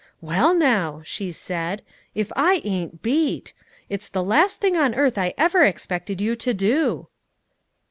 "Well, now," she said, "if I ain't beat! It's the last thing on earth I ever expected you to do."